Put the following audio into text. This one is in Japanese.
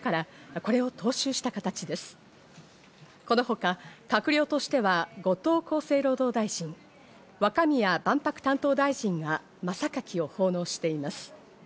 このほか閣僚としては、後藤厚生労働大臣、若宮万博担当大臣が真榊を奉納しています。